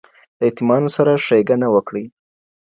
د يتيمانو سره ښېګڼه وکړئ.